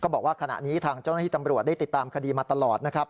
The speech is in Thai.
บอกว่าขณะนี้ทางเจ้าหน้าที่ตำรวจได้ติดตามคดีมาตลอดนะครับ